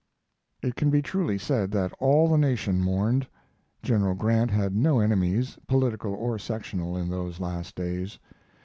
It can be truly said that all the nation mourned. General Grant had no enemies, political or sectional, in those last days.